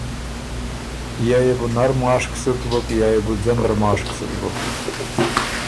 یا يې بو نر ماشک سُک بُک۔ یا يې بو ځندره ماشک سُک بُک